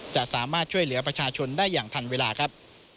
จะสามารถช่วยเหลือประชาชนได้อย่างทันเวลาครับ